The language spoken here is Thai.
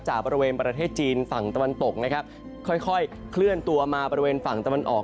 บริเวณประเทศจีนฝั่งตะวันตกนะครับค่อยเคลื่อนตัวมาบริเวณฝั่งตะวันออก